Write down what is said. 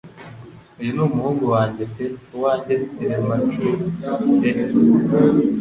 Uyu ni umuhungu wanjye pe uwanjye Telemachus pe